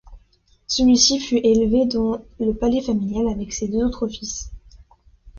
Celui-ci fut élevé dans le palais familial avec ses deux autres fils.